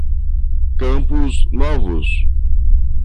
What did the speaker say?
Campos Novos